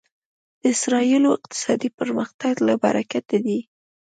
د اسرایلو اقتصادي پرمختګ له برکته دی.